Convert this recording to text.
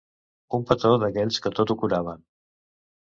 Un petó d'aquells que tot ho curaven.